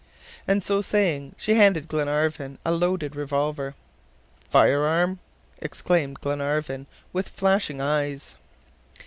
And so saying, she handed Glenarvan a loaded revolver. "Fire arm!" exclaimed Glenarvan, with flashing eyes.